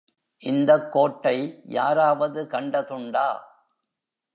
இந்தக் கோட்டை யாராவது கண்ட துண்டா?